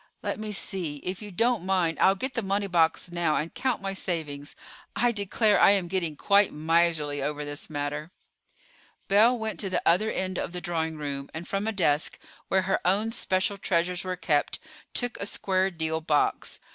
Let me see; if you don't mind, I'll get the money box now, and count my savings. I declare I am getting quite miserly over this matter." Belle went to the other end of the drawing room, and from a desk, where her own special treasures were kept, took a square deal box.